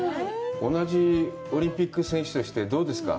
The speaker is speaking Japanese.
同じオリンピック選手としてどうですか。